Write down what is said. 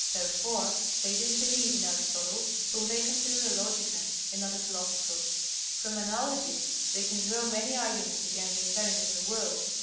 Therefore they disbelieve in Aristotle, whom they consider a logican and not a philosopher. From analogies, they can draw many arguments against the eternity of the world.